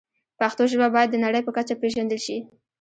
پښتو ژبه باید د نړۍ په کچه پېژندل شي.